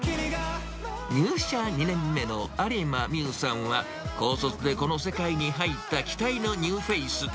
入社２年目の有馬美羽さんは高卒でこの世界に入った期待のニューフェース。